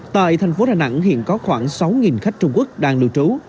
tại thành phố đà nẵng hiện có khoảng sáu khách trung quốc đang lưu trú